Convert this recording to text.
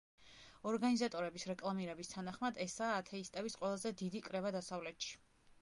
ორგანიზატორების რეკლამირების თანახმად ესაა ათეისტების ყველაზე დიდი კრება დასავლეთში.